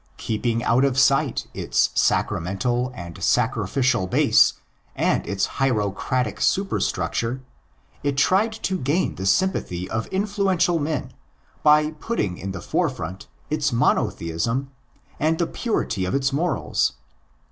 Keeping out of sight its sacramental and sacrificial base and its hierocratic superstructure, it tried to gain the sympathy of influential men by putting in the forefront its monotheism and the purity of its morals.